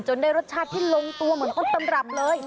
ได้รสชาติที่ลงตัวเหมือนต้นตำรับเลย